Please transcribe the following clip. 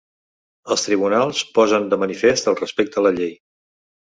Els tribunals posen de manifest el respecte a la llei.